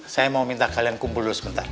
saya mau minta kalian kumpul dulu sebentar